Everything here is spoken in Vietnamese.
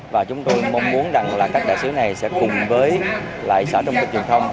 và chúng tôi mong muốn rằng là các đại sứ này sẽ cùng với lại sở thông tin truyền thông